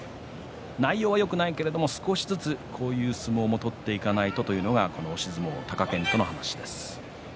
内容がよくないですがこういう相撲を取っていかないとというのは押し相撲の貴健斗の話です。